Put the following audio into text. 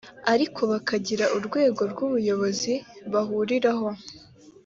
ariko bakagira urwego rw ubuyobozi bahuriraho